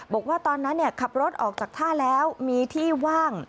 บอกว่าตอนนั้นขับรถออกจากท่าแล้วมีที่ว่าง